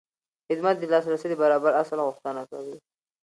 خدمت د لاسرسي د برابر اصل غوښتنه کوي.